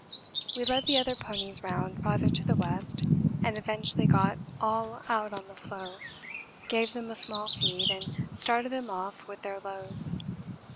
We led the other ponies round farther to the west and eventually got all out on the floe, gave them a small feed, and started them off with their loads.